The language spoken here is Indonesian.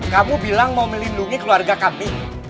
kamu bilang mau melindungi keluarga kami